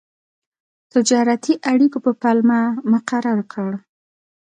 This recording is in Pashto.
تجارتي اړیکو په پلمه مقرر کړ.